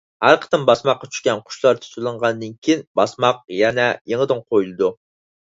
ھەر قېتىم باسماققا چۈشكەن قۇشلار تۇتۇۋېلىنغاندىن كېيىن، باسماق يەنە يېڭىدىن قويۇلىدۇ.